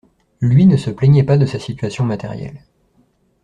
Lui ne se plaignait pas de sa situation matérielle.